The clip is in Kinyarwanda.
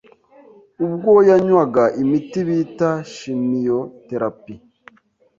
ubwo yanywaga imiti bita Chimiotherapie